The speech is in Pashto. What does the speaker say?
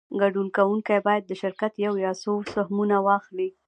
ګډون کوونکی باید د شرکت یو یا څو سهمونه واخلي